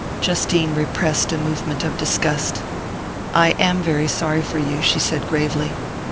Justine repressed a movement of disgust. "I am very sorry for you," she said gravely.